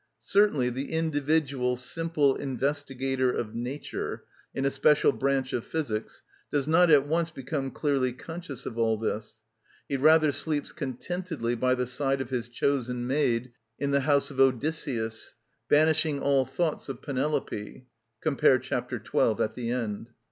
Certainly the individual, simple investigator of nature, in a special branch of physics, does not at once become clearly conscious of all this; he rather sleeps contentedly by the side of his chosen maid, in the house of Odysseus, banishing all thoughts of Penelope (cf. ch. 12 at the end).